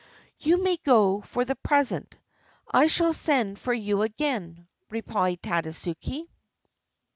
"You may go for the present. I shall send for you again," replied Tadasuke.